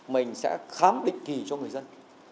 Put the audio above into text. mình sẽ khám định kỳ cho người dân